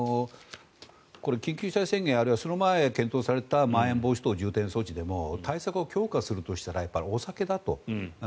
これ、緊急事態宣言あるいはその前に検討されたまん延防止等重点措置でも対策を強化するとしたらやっぱり、お酒だと。